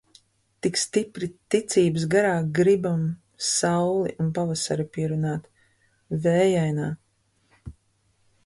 Tik stipri ticības garā Gribam sauli un pavasari pierunāt. Vējainā!